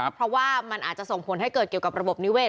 เพราะว่ามันอาจจะส่งผลให้เกิดเกี่ยวกับระบบนิเวศ